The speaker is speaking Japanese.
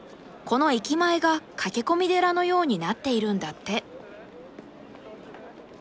この駅前が駆け込み寺のようになっているんだって。